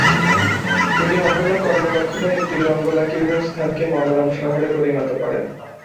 তিনি অনন্য কর্মদক্ষতায় একটি জঙ্গলাকীর্ণ স্থানকে মনোরম শহরে পরিণত করেন।